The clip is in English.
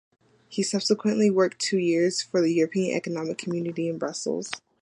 He subsequently worked two years for the European Economic Community in Brussels.